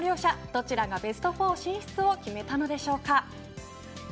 どちらがベスト４進出を決めたのでしょうか。